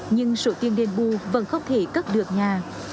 nhưng sổ tiên đền bù vẫn không thể cất được nhà